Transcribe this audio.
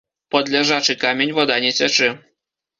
Пад ляжачы камень вада не цячэ.